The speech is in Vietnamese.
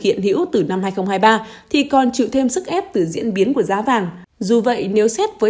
hiện hữu từ năm hai nghìn hai mươi ba thì còn chịu thêm sức ép từ diễn biến của giá vàng dù vậy nếu xét với